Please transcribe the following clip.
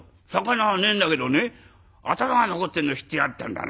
「肴はねえんだけどね頭が残ってんの知ってやがったんだな。